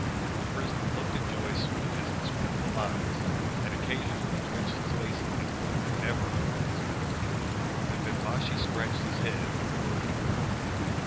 The prisoner looked at Joyce with his inscrutable eyes, and occasionally twitched his face at him, but never opened his mouth. The Bimbashi scratched his head in bewilderment.